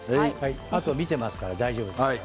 あとは見てますから大丈夫ですよ。